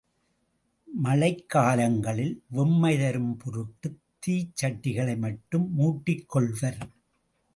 மழைக் காலங்களில் வெம்மை தரும் பொருட்டுத் தீச்சட்டிகளை மட்டும் மூட்டிக் கொள்வர்.